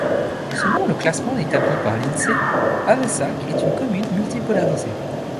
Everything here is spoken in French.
Selon le classement établi par l'Insee, Avessac est une commune multi polarisée.